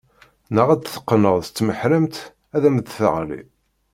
Neɣ ad t-teqqneḍ s tmeḥremt ad am-d-teɣli.